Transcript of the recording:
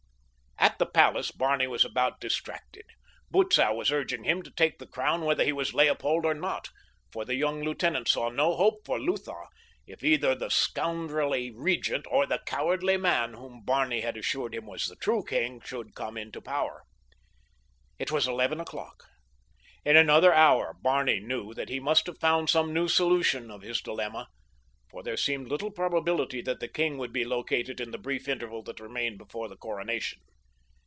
At the palace Barney was about distracted. Butzow was urging him to take the crown whether he was Leopold or not, for the young lieutenant saw no hope for Lutha, if either the scoundrelly Regent or the cowardly man whom Barney had assured him was the true king should come into power. It was eleven o'clock. In another hour Barney knew that he must have found some new solution of his dilemma, for there seemed little probability that the king would be located in the brief interval that remained before the coronation.